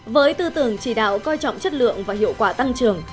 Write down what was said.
với tư tưởng chỉ đạo coi trọng chất lượng và hiệu quả tăng trưởng